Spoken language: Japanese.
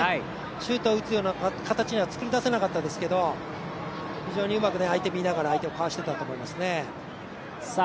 シュートを打つような形には、作り出せなかったですけど非常にうまく相手を見ながらかわしていたと思いますね。